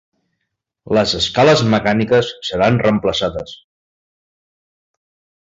Les escales mecàniques seran reemplaçades.